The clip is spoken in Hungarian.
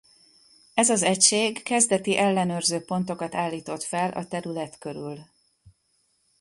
Ez az egység kezdeti ellenőrző pontokat állított fel a terület körül.